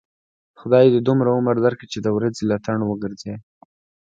خدای دې دومره عمر در کړي، چې د ورځې لټن و گرځوې.